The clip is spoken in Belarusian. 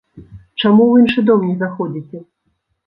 Чаму ў іншы дом не заходзіце?